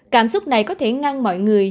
cảm xúc này có thể ngăn mọi người